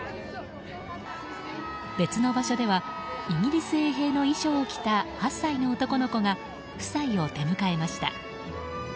別の場所ではイギリス衛兵の衣装を着た８歳の男の子が夫妻を出迎えました。